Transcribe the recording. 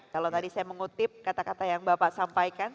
kalau tadi saya mengutip kata kata yang bapak sampaikan